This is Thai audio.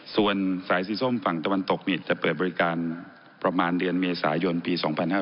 ส่วนสายสีส้มฝั่งตะวันตกจะเปิดบริการประมาณเดือนเมษายนปี๒๕๕๙